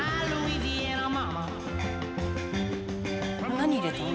「何入れたの？